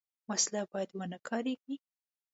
وسله باید ونهکارېږي